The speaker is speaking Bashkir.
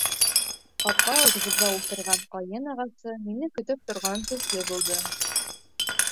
Ҡапҡа алдыбыҙҙа ултырған ҡайын ағасы мине көтөп торған төҫлө булды.